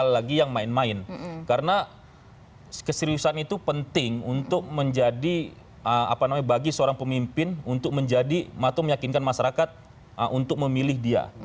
terima kasih terima kasih terima kasih